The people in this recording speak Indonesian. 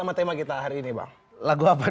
sama tema kita hari ini bang lagu apa